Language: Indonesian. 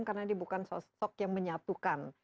karena dia bukan sosok yang menyatukan